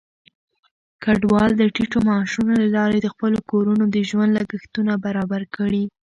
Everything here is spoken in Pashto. کډوال د ټيټو معاشونو له لارې د خپلو کورونو د ژوند لګښتونه برابر کړي.